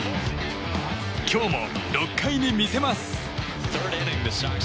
今日も６回に見せます。